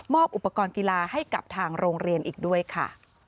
อุปกรณ์กีฬาให้กับทางโรงเรียนอีกด้วยค่ะ